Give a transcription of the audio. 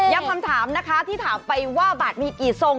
คำถามนะคะที่ถามไปว่าบาทมีกี่ทรง